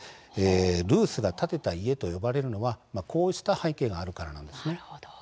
ルースが建てた家と呼ばれるのはこうした背景があるからなんです。